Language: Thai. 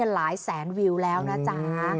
หลายแสนวิวแล้วนะจ๊ะ